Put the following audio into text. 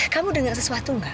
kamu dengar sesuatu tidak